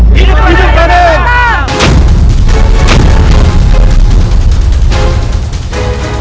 hidup berada di kianjaman